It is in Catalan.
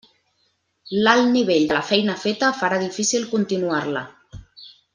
L'alt nivell de la feina feta farà difícil continuar-la.